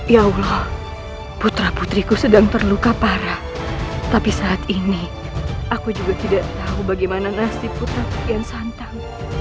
ya allah putra putriku sedang terluka parah tapi saat ini aku juga tidak tahu bagaimana nasib putraku yang santang